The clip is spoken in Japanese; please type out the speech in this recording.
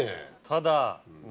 ただ。